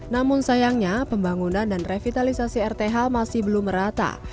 namun sayangnya pembangunan dan revitalisasi rth masih belum merata